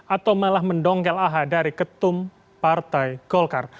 atau malah mendongkel aha dari ketum partai golkar